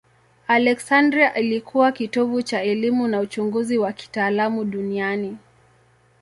Aleksandria ilikuwa kitovu cha elimu na uchunguzi wa kitaalamu duniani.